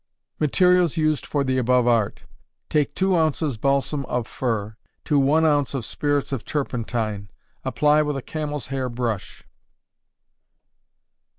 Materials Used for the Above Art. Take two ounces balsam of fir, to one ounce of spirits of turpentine; apply with a camel's hair brush.